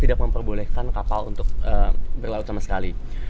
tidak memperbolehkan kapal untuk berlaut sama sekali